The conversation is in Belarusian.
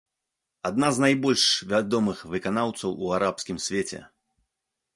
Адна з найбольш вядомых выканаўцаў у арабскім свеце.